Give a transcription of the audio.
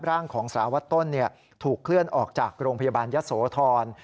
ร่างของสารวัตรต้นถูกเคลื่อนออกจากโรงพยาบาลยะโสธร